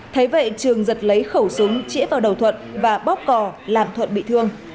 thấy vậy trường giật lấy khẩu súng chỉa vào đầu thuận và bóp cỏ làm thuận bị thương